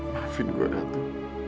maafin gue ratu